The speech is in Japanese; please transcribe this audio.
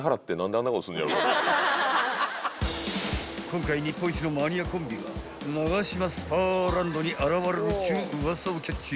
［今回日本一のマニアコンビがナガシマスパーランドに現れるっちゅうウワサをキャッチ］